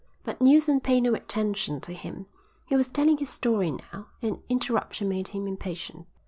But Neilson paid no attention to him. He was telling his story now and interruption made him impatient.